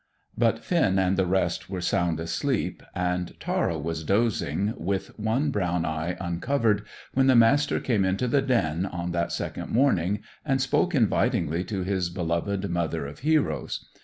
But Finn and the rest were sound asleep, and Tara was dozing with one brown eye uncovered, when the Master came into the den on that second morning and spoke invitingly to his beloved mother of heroes.